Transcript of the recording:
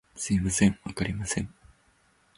すみません、わかりません